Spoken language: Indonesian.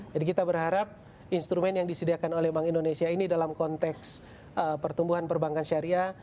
jadi kita berharap instrumen yang disediakan oleh bank indonesia ini dalam konteks pertumbuhan perbankan syariah